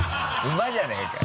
馬じゃねえかよ。